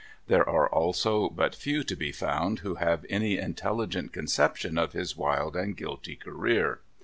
There are also but few to be found who have any intelligent conception of his wild and guilty career.